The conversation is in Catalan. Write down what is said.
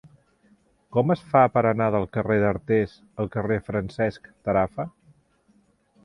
Com es fa per anar del carrer d'Artés al carrer de Francesc Tarafa?